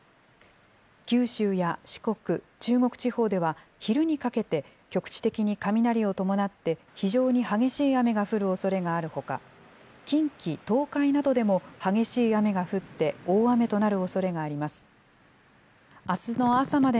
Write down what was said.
九州や四国、中国地方では昼にかけて局地的に雷を伴って非常に激しい雨が降るおそれがあるほか、近畿、東海などでも激しい雨が降って、大雨となるおそれがあります。